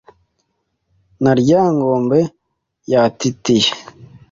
Na Ryangombe yatatiye